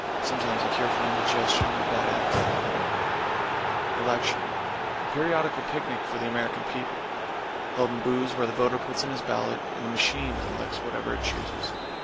Sometimes a cure for indigestion or bad acting. =ELECTION= A periodical picnic for the American People. Held in booths, where the Voter puts in his ballot, and The Machine elects whatever it chooses.